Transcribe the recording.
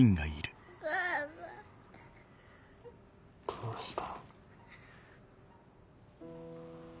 どうした？